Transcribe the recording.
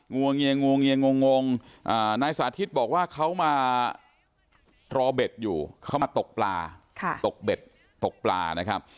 วงเงียงวงเงียงงนายสาธิตบอกว่าเขามารอเบ็ดอยู่เขามาตกปลาตกเบ็ดตกปลานะครับ